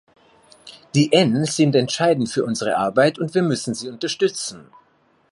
Die Nsind entscheidend für unsere Arbeit, und wir müssen sie unterstützen.